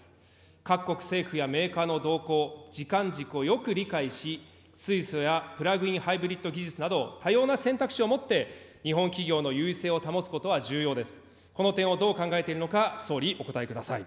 各国政府やメーカーの動向、時間軸をよく理解し、水素やプラグインハイブリッド技術など多様な選択肢をもって、日本企業の優位性を保つことは重要です。